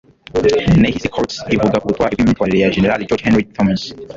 nehisi coates ivuga ku butwari bw'imyitwarire ya jenerali george henry thomas